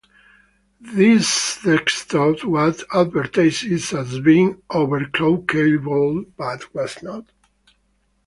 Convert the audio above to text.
This desktop was advertised as being overclockable but was not.